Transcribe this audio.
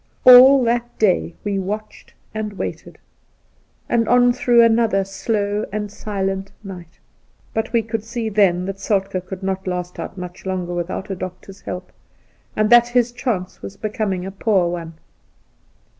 All that day we watched and waited, and on through another slow and silent night ; but we could see then that Soltk^ could not last out much longer without a doctor's help, and that his chance was becoming a poor one.